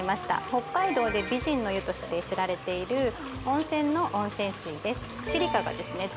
北海道で美人の湯として知られている温泉の温泉水です